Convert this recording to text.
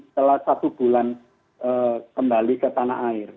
setelah satu bulan kembali ke tanah air